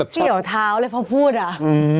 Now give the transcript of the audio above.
เกี่ยวเท้าเลยพอพูดอ่ะ